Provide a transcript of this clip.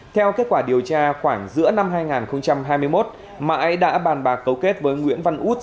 theo kết quả điều tra khoảng giữa năm hai nghìn hai mươi một mãi đã bàn bạc cấu kết với nguyễn văn út